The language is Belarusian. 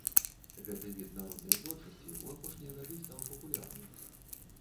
Гэты від народнай творчасці ў апошнія гады стаў папулярным.